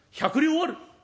１００両ある。